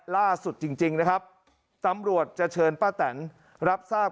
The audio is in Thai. จริงนะครับตำรวจจะเชิญป้าแตนรับทราบ